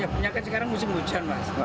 ya punya kan sekarang musim hujan mas